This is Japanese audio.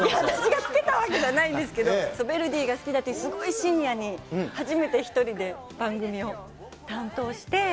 私が付けたわけじゃないんですけど、ヴェルディが好きだってすごい深夜に初めて１人で番組を担当して。